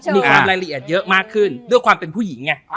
มีความรายละเอียดเยอะมากขึ้นด้วยความเป็นผู้หญิงไง